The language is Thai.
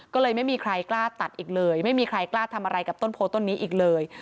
ก็เลยไม่มีใครกล้าตัดอีกเลยไม่มีใครกล้าทำอะไรกับต้นโพต้นนี้อีกเลย